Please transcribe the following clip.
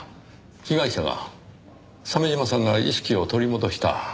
被害者が鮫島さんが意識を取り戻した。